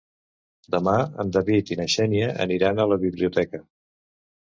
Demà en David i na Xènia aniran a la biblioteca.